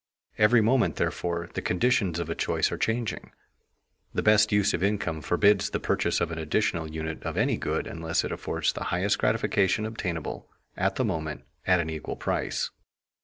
Every moment, therefore, the conditions of a choice are changing. The best use of income forbids the purchase of an additional unit of any good unless it affords the highest gratification obtainable, at the moment, at an equal price.